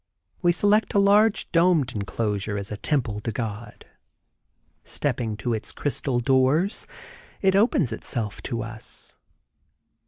We select a large domed enclosure as a temple to God. Stepping to its crystal doors it opens itself to us.